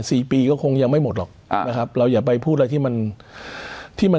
สี่ปีก็คงยังไม่หมดหรอกอ่านะครับเราอย่าไปพูดอะไรที่มันที่มัน